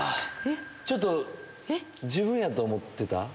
ちょっと自分やと思ってた？